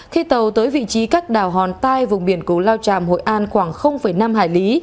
khi tàu tới vị trí các đảo hòn tai vùng biển củ lao tràm hội an khoảng năm hải lý